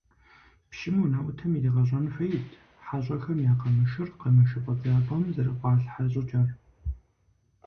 Пщым унэӀутым иригъэщӏэн хуейт хьэщӀэхэм я къамышыр къамышы фӀэдзапӀэм зэрыфӀалъхьэ щӀыкӀэр.